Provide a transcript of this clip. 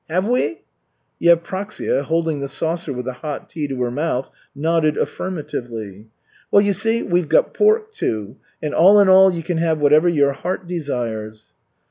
Have we?" Yevpraksia, holding the saucer with the hot tea to her mouth, nodded affirmatively. "Well, you see, we've got pork too, and all in all you can have whatever your heart desires."